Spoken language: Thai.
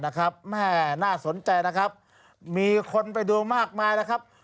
แม่น่าสนใจนะครับมีคนไปดูมากมายแล้วครับ